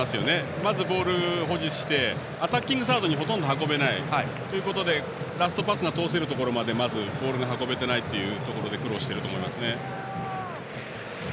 まずボールを保持してアタッキングサードにほとんど運べないということでラストパスまでまずボールが運べていないというところで苦労していると思います。